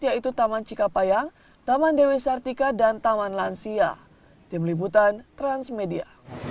yaitu taman cikapayang taman dewi sartika dan taman lansia